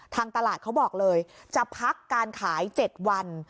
ทางตลาดเขาบอกเลยจะพักการขาย๗วัน